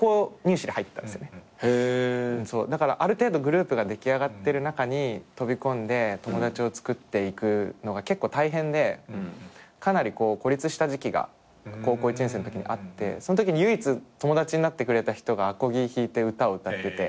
だからある程度グループが出来上がってる中に飛び込んで友達をつくっていくのが結構大変でかなり孤立した時期が高校１年生のときにあってそのときに唯一友達になってくれた人がアコギ弾いて歌を歌ってて。